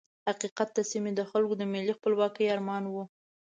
حقیقت د سیمې د خلکو د ملي خپلواکۍ ارمان وو.